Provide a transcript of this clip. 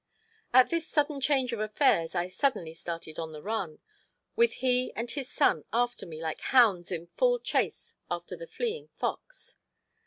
At this sudden change of affairs I suddenly started on the run, with he and his son after me like hounds in full chase after the fleeing fox.